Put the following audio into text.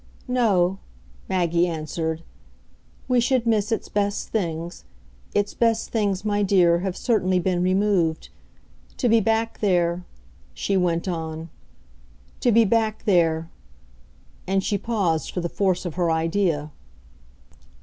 "No," Maggie answered, "we should miss its best things. Its best things, my dear, have certainly been removed. To be back there," she went on, "to be back there !" And she paused for the force of her idea.